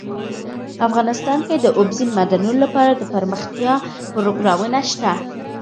افغانستان کې د اوبزین معدنونه لپاره دپرمختیا پروګرامونه شته.